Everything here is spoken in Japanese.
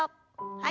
はい。